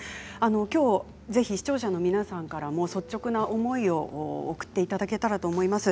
きょうはぜひ視聴者の皆さんからも率直な思いを送っていただけたらと思います。